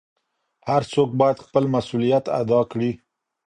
هر څوک بايد خپل مسووليت ادا کړي.